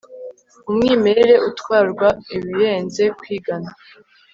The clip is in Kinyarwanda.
umwimerere utwara ibirenze kwigana